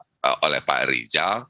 disampaikan oleh pak rijal